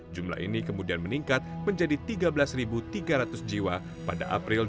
jumlah ini kemudian meningkat menjadi tiga belas tiga ratus jiwa pada april dua ribu dua puluh